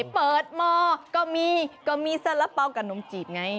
เปิดมก็มีก็มีสาระเป๋ากับนมจีบไง